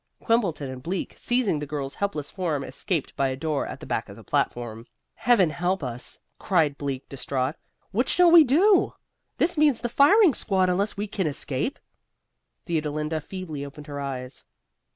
Quimbleton and Bleak, seizing the girl's helpless form, escaped by a door at the back of the platform. "Heaven help us," cried Bleak, distraught. "What shall we do? This means the firing squad unless we can escape." Theodolinda feebly opened her eyes.